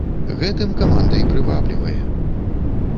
Гэтым каманда і прываблівае.